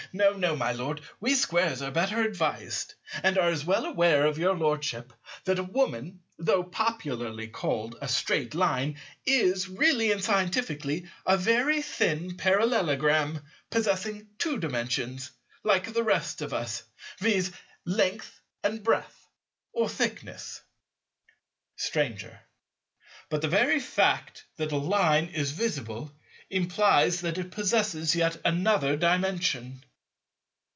No, no, my Lord; we Squares are better advised, and are as well aware of your Lordship that a Woman, though popularly called a Straight Line, is, really and scientifically, a very thin Parallelogram, possessing Two Dimensions, like the rest of us, viz., length and breadth (or thickness). Stranger. But the very fact that a Line is visible implies that it possesses yet another Dimension.